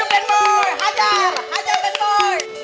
hajar dan boy